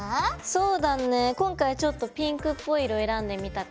そうだね今回ちょっとピンクっぽい色選んでみたから。